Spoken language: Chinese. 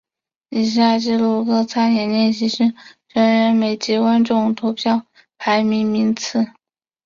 以下记录各参演练习生成员每集观众投票排名名次。